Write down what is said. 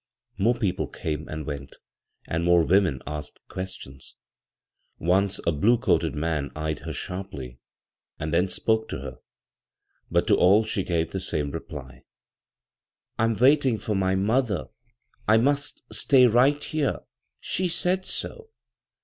More people came and went, and more women asked questions. Once a blue coated man eyed her shaiply, and then spoke to her ; but to all she gave the same reply ;" I'm waiting for my mother. I must stay right here. She said so."